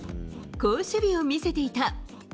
好守備を見せていた。